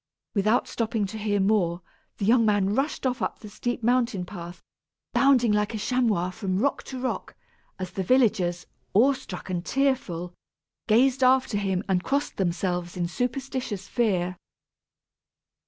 Without stopping to hear more, the young man rushed off up the steep mountain path, bounding like a chamois from rock to rock, as the villagers, awe struck and tearful, gazed after him and crossed themselves in superstitious fear.